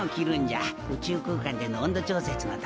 宇宙空間での温度調節のためじゃな。